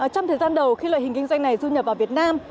trong thời gian đầu khi loại hình kinh doanh này du nhập vào việt nam